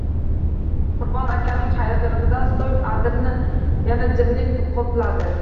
Qurbon akaning hayqirig‘idan so‘ng adirni yana jimlik qopladi.